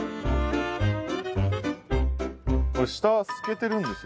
これ下透けてるんですよ。